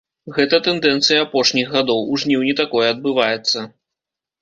Гэта тэндэнцыя апошніх гадоў, у жніўні такое адбываецца.